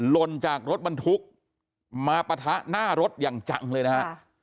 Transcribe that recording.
ลนจากรถบรรทุกมาปะทะหน้ารถอย่างจังเลยนะฮะ